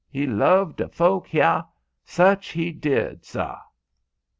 He loved deh folk heah; such he did, suh."